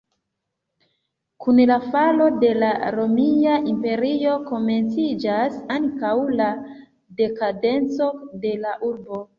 Kun la falo de la Romia Imperio, komenciĝas ankaŭ la dekadenco de la urbo.